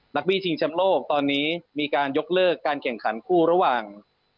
บี้ชิงชำโลกตอนนี้มีการยกเลิกการแข่งขันคู่ระหว่าง